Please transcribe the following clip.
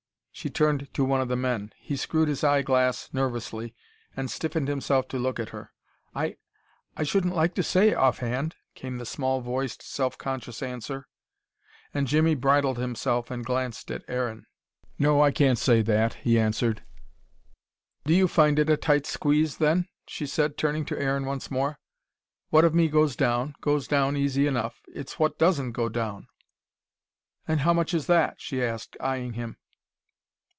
she turned to one of the men. He screwed his eyeglass nervously and stiffened himself to look at her. "I I shouldn't like to say, off hand," came the small voiced, self conscious answer. And Jimmy bridled himself and glanced at Aaron. "Do you find it a tight squeeze, then?" she said, turning to Aaron once more. "No, I can't say that," he answered. "What of me goes down goes down easy enough. It's what doesn't go down." "And how much is that?" she asked, eying him.